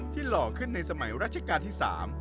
ที่หล่อขึ้นในสมัยรัชกาลที่สาม